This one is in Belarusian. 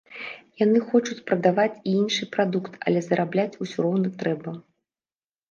Яны хочуць прадаваць і іншы прадукт, але зарабляць ўсё роўна трэба.